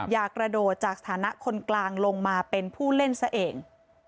กระโดดจากสถานะคนกลางลงมาเป็นผู้เล่นซะเอง